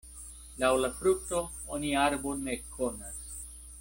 Laŭ la frukto oni arbon ekkonas.